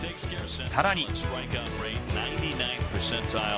さらに。